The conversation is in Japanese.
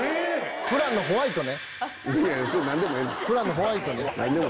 フランのホワイトね。